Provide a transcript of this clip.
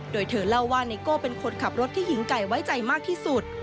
โดยเธอเล่าว่าไนโก้เป็นคนขับรถที่หญิงไก่ไว้ใจมากที่สุด